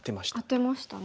アテましたね。